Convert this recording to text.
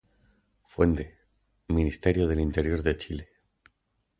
Fuente: Ministerio del Interior de Chile